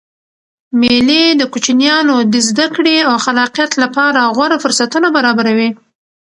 مېلې د کوچنيانو د زدکړي او خلاقیت له پاره غوره فرصتونه برابروي.